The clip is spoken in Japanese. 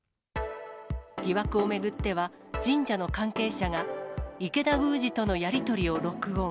疑惑を巡っては、神社の関係者が、池田宮司とのやり取りを録音。